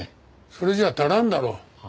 それじゃあ足らんだろう。